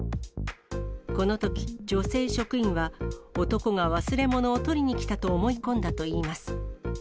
このとき、女性職員は男が忘れ物を取りに来たと思い込んだといいます。